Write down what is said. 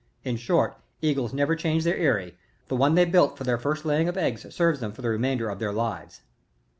In short, eagles never change their eyry ; the one they build for their first laying of eggs serves them for the remainder of their lives.